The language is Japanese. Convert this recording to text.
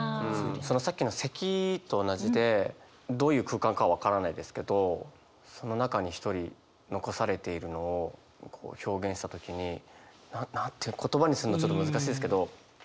さっきの咳と同じでどういう空間か分からないですけどその中に一人残されているのを表現した時にな何て言葉にするのちょっと難しいですけどぽつり。